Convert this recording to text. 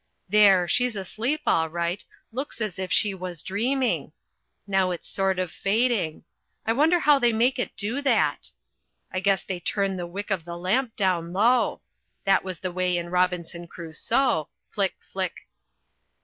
There! she's asleep all right looks as if she was dreaming. Now it's sort of fading. I wonder how they make it do that? I guess they turn the wick of the lamp down low: that was the way in Robinson Crusoe Flick, flick!